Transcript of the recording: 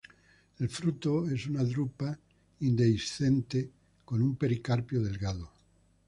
El fruto es una drupa indehiscente con un pericarpio delgado.